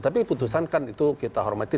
tapi putusan kan itu kita hormati